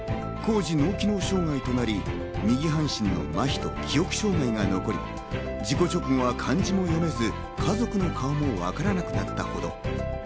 高次脳機能障害となり、右半身のまひと記憶障害が残り、事故直後は漢字も読めず、家族の顔もわからなくなったほど。